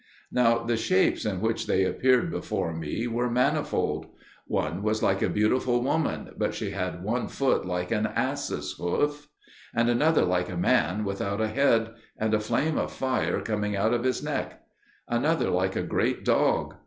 Now the shapes in which they appeared before me were manifold: one was like a beautiful woman, but she had one foot like an ass's hoof; and another like a man without a head, and a flame of fire coming out of his neck; another like a great dog.